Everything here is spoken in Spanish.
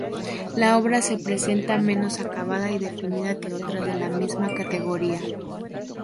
La obra se presenta menos acabada y definida que otras de la misma categoría.